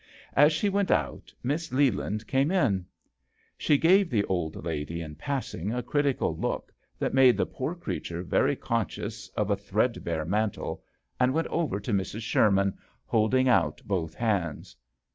As she went out Miss Leland came in. She gave the old lady in passing a critical look that made the poor creature very conscious of a 78 JOHN SHERMAN. threadbare mantle, and went over to Mrs. Sherman, holding out both hands.